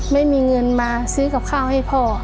ไม่มีเงินมาซื้อกับข้าวให้พ่อ